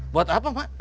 buat apa ma